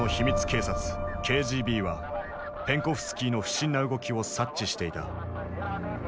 警察ＫＧＢはペンコフスキーの不審な動きを察知していた。